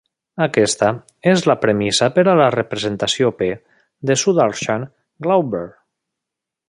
Aquesta és la premissa per a la representació P de Sudarshan-Glauber.